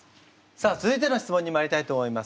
さあ続いての質問にまいりたいと思います。